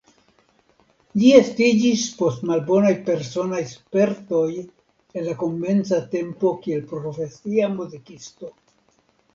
Ĝi estiĝis post malbonaj personaj spertoj el la komenca tempo kiel profesia muzikisto.